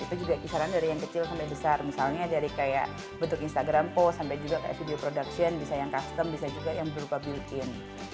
itu juga kisaran dari yang kecil sampai besar misalnya dari kayak bentuk instagram post sampai juga kayak video production bisa yang custom bisa juga yang berupa built in